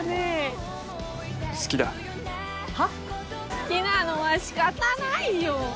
「好きなのは仕方ないよ」